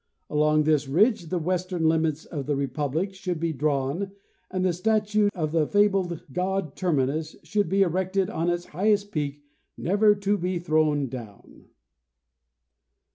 Along this ridge the western limits of the Republic should be drawn and the statue of the fabled god Termi nus should be erected on its highest peak, never to be thrown down."